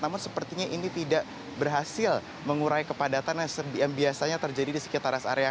namun sepertinya ini tidak berhasil mengurai kepadatan yang biasanya terjadi di sekitar rest area